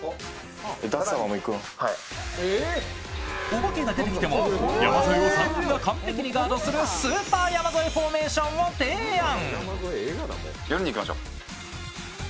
お化けが出てきても山添を３人が完璧にガードするスーパー山添フォーメーションを提案。